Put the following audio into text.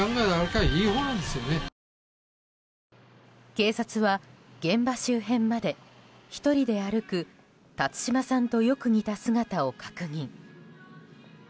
警察は現場周辺まで１人で歩く辰島さんとよく似た姿を確認。